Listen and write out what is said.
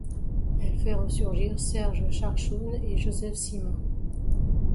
Elle fait resurgir Serge Charchoune et Joseph Sima.